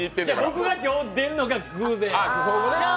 僕が今日出るのが偶然。